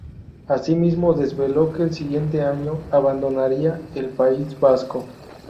Asimismo desveló que el siguiente año abandonaría el País Vasco.